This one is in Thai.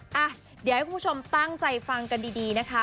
อ่ะเดี๋ยวให้คุณผู้ชมตั้งใจฟังกันดีนะคะ